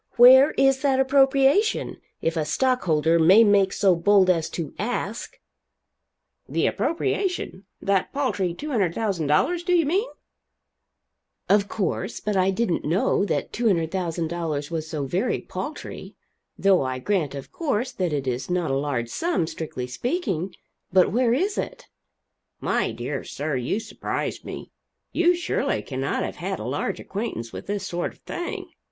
Where is that appropriation? if a stockholder may make so bold as to ask." "The appropriation? that paltry $200,000, do you mean?" "Of course but I didn't know that $200,000 was so very paltry. Though I grant, of course, that it is not a large sum, strictly speaking. But where is it?" "My dear sir, you surprise me. You surely cannot have had a large acquaintance with this sort of thing.